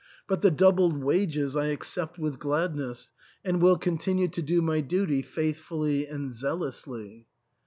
But the doubled wages I accept with gladness, and will continue to do my duty faithfully and zealously."